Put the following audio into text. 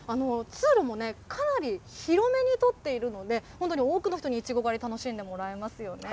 通路もかなり広めに取っているので、本当に多くの人にいちご狩り、楽しんでもらえますよね。